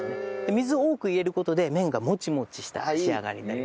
水を多く入れる事で麺がもちもちした仕上がりになります。